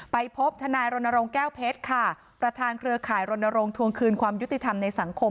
ไปพบทนายรณรงค์แก้วเพชรค่ะประธานเครือข่ายรณรงค์ทวงคืนความยุติธรรมในสังคม